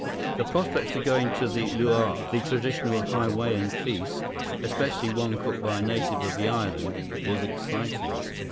The prospect of going to the luau, the traditional Hawaiian feast, especially one cooked by a native of the island, was exciting.